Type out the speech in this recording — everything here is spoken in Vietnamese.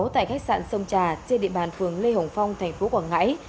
tại khách sạn sông trà trên địa bàn phường lê hồng phong thành phố quảng ngãi